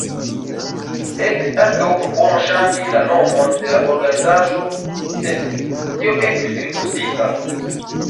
Estis ankaŭ propono ŝanĝi la nomon de la organizaĵo, sed tio estis rifuzita.